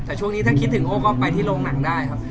แต่ช่วงนี้ถ้าคิดถึงโอ้ก็ไปที่โรงหนังได้ครับ